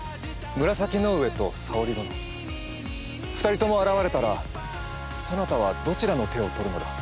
紫の上と沙織殿２人とも現れたらそなたはどちらの手を取るのだ。